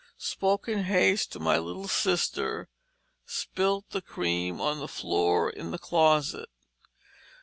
Spoke in haste to my little Sister, spilt the cream on the floor in the closet.